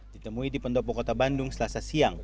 ditemui di pendopo kota bandung selasa siang